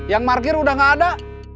yang parkir udah gak ada